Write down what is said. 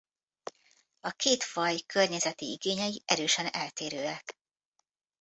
A két faj környezeti igényei erősen eltérőek.